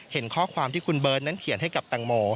เห็นข้อความที่คุณเบิร์ตนั้นเขียนให้กับแตงโม